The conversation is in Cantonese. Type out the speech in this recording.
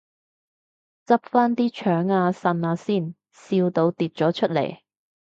執返啲腸啊腎啊先，笑到跌咗出嚟